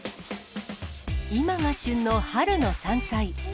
今が旬の春の山菜。